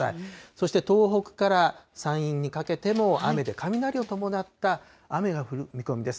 そして東北から山陰にかけても雨で、雷を伴った雨が降る見込みです。